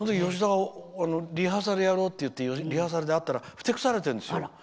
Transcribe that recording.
リハーサルやろうって言ってリハーサルで会ったらふてくされてるんです。